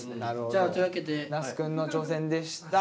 というわけで那須くんの挑戦でした。